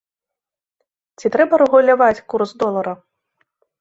Ці трэба рэгуляваць курс долара?